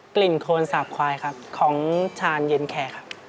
โคนสาบควายครับของชาญเย็นแคร์ครับ